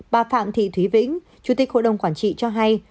bà phạm thị thúy vĩnh chủ tịch hội đồng quản trị cho hay